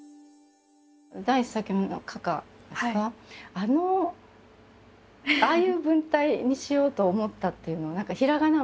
あのああいう文体にしようと思ったっていうのは何かひらがなも多かったり